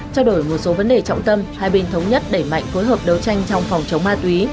trao đổi một số vấn đề trọng tâm hai bên thống nhất đẩy mạnh phối hợp đấu tranh trong phòng chống ma túy